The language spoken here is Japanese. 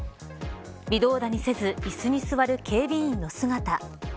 微動だにせずいすに座る警備員の姿。